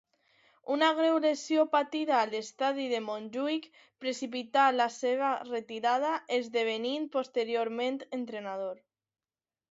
Una greu lesió patida a l'estadi de Montjuïc precipità la seva retirada, esdevenint posteriorment entrenador.